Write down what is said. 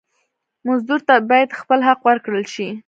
مزدور ته باید خپل حق ورکړل شي.